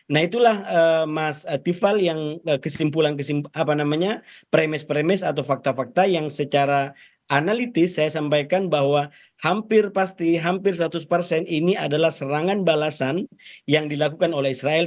nah itulah mas tiffal yang kesimpulan premis premis atau fakta fakta yang secara analitis saya sampaikan bahwa hampir pasti hampir seratus persen ini adalah serangan balasan yang dilakukan oleh israel